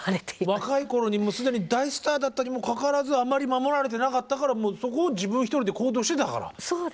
若い頃に既に大スターだったにもかかわらずあんまり守られてなかったからそこを自分一人で行動してたから。